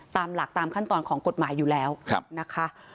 ตามหลักตามขั้นตอนของกฎหมายอยู่แล้วนะคะ